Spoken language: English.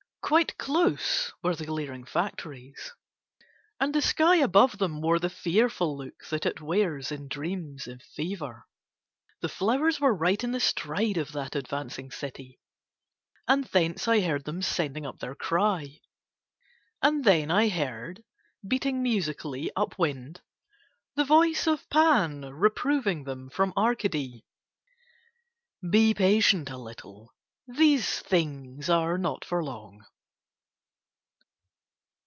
Quite close were the glaring factories, and the sky above them wore the fearful look that it wears in dreams of fever. The flowers were right in the stride of that advancing city, and thence I heard them sending up their cry. And then I heard, beating musically up wind, the voice of Pan reproving them from Arcady "Be patient a little, these things are not for long."